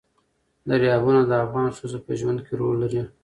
دریابونه د افغان ښځو په ژوند کې رول لري.